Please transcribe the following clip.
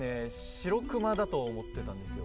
シロクマだと思ってたんですよ